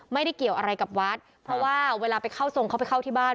ไม่ได้เกี่ยวอะไรกับวัดเพราะว่าเวลาไปเข้าทรงเขาไปเข้าที่บ้าน